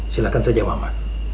silakan saja mama